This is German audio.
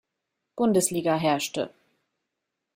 Bundesliga herrschte.